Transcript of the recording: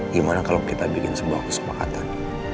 gimana kalau kita bikin sebuah kesepakatan